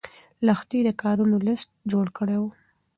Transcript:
لښتې د کارونو لست جوړ کړی و.